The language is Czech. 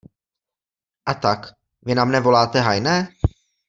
A tak, vy na mne voláte hajné?